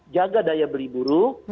jaga daya beli buru